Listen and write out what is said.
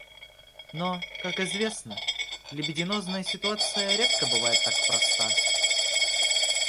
Но, как известно, либидинозная ситуация редко бывает так проста.